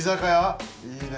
いいね。